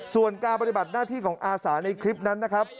ส่วนการปฏิบัติหน้าที่ของอาสาในคลิปนั้นนะครับ